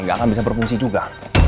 nggak akan bisa berfungsi juga